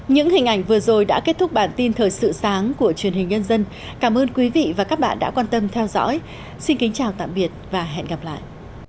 những hình ảnh vừa rồi đã kết thúc bản tin thời sự sáng của truyền hình nhân dân cảm ơn quý vị và các bạn đã quan tâm theo dõi xin kính chào tạm biệt và hẹn gặp lại